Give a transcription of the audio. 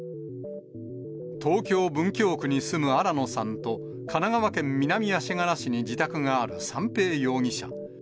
東京・文京区に住む新野さんと、神奈川県南足柄市に自宅がある三瓶容疑者。